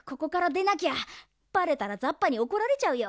バレたらザッパにおこられちゃうよ。